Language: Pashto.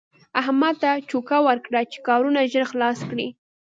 احمد ته چوکه ورکړه چې کارونه ژر خلاص کړي.